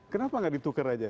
kenapa gak ditukar aja